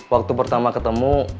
waktu pertama ketemu